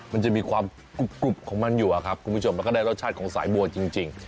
มันจะมีความกรุบของมันอยู่อะครับคุณผู้ชมมันก็ได้รสชาติของสายบัวจริง